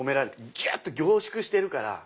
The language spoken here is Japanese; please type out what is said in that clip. ギュっと凝縮してるから。